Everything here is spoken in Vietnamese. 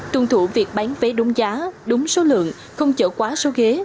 tuân thủ việc bán vé đúng giá đúng số lượng không chở quá số ghế